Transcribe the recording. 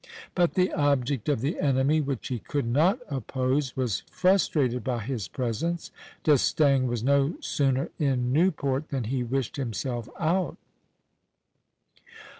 But the object of the enemy, which he could not oppose, was frustrated by his presence. D'Estaing was no sooner in Newport than he wished himself out.